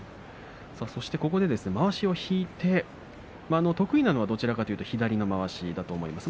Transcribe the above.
ここでまわしを引いて得意なのはどちらかというと左のまわしだと思います。